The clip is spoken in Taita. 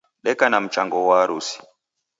Deka na mchango ghwa harusi